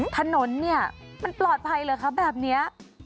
ถนนเนี่ยมันปลอดภัยเหรอคะแบบนี้